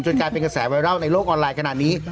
กลายเป็นกระแสไวรัลในโลกออนไลน์ขนาดนี้